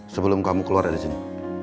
sebelum kamu keluar dari sini